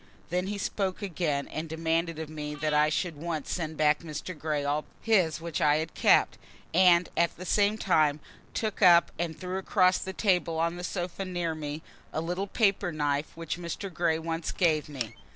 Then he spoke again and demanded of me that I should at once send back to Mr. Grey all presents of his which I had kept, and at the same time took up and threw across the table on to the sofa near me, a little paper knife which Mr. Grey once gave me.